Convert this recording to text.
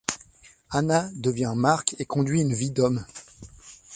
Hana devient Mark et conduit une vie d'homme.